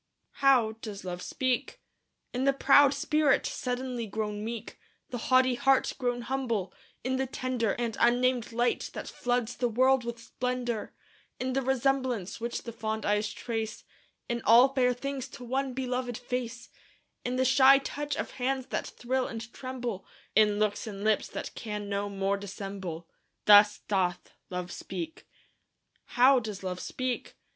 How does Love speak? In the proud spirit suddenly grown meek The haughty heart grown humble; in the tender And unnamed light that floods the world with splendor; In the resemblance which the fond eyes trace In all fair things to one beloved face; In the shy touch of hands that thrill and tremble; In looks and lips that can no more dissemble Thus doth Love speak. How does Love speak?